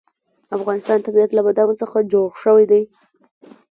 د افغانستان طبیعت له بادامو څخه جوړ شوی دی.